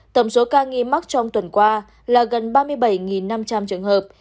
tổng số ca nghi mắc trong tuần qua là gần ba mươi bảy năm trăm linh trường hợp